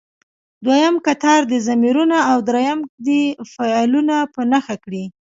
دویم کتار دې ضمیرونه او دریم دې فعلونه په نښه کړي.